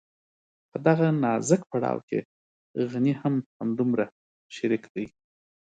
په دغه نازک پړاو کې غني هم همدومره شريک دی.